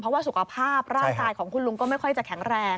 เพราะว่าสุขภาพร่างกายของคุณลุงก็ไม่ค่อยจะแข็งแรง